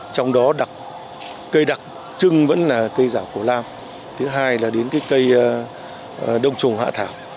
trong đó đặc cây đặc trưng vẫn là cây giảo cổ lam thứ hai là đến cây đông trùng hạ thảo